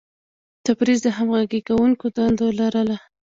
تبریز د همغږي کوونکي دنده لرله.